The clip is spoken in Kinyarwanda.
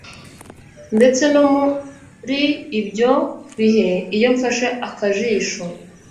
ndetse no muri ibyo bihe iyo mfashe akajisho